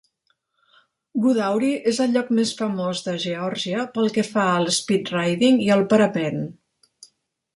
Gudauri és el lloc més famós de Geòrgia pel que fa al speedriding i el parapent.